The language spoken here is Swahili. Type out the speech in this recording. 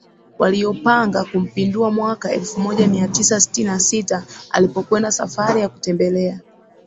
waliopanga kumpindua Mwaka elfu moja mia tisa sitini na sita alipokwenda safari ya kutembelea